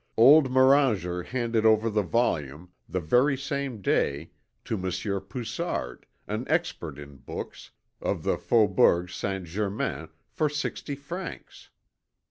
Old Moranger handed over the volume, the very same day, to Monsieur Poussard, an expert in books, of the faubourg Saint Germain, for sixty francs.